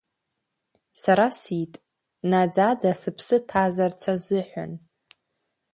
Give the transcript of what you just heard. Сара сиит, наӡаӡа сыԥсы ҭазарц азыҳәан.